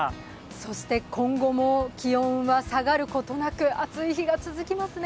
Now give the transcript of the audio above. そして今後も気温は下がることなく、暑い日が続きますね。